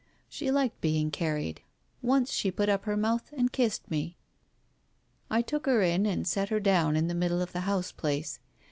She liked being carried. Once she put up her mouth and kissed me. I took her in and set her down in the middle of the house place.